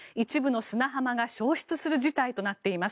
一部の砂浜が消失する事態となっています。